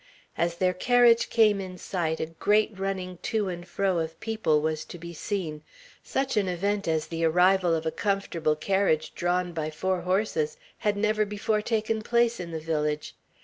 As their carriage came in sight, a great running to and fro of people was to be seen. Such an event as the arrival of a comfortable carriage drawn by four horses had never before taken place in the village.